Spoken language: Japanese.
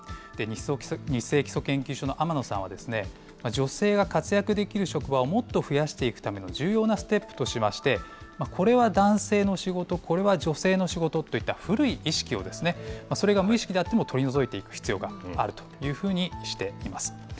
ニッセイ基礎研究所の天野さんは、女性が活躍できる職場をもっと増やしていくための重要なステップとしまして、これは男性の仕事、これは女性の仕事といった古い意識を、それが無意識であっても、取り除いていく必要があるというふうにしています。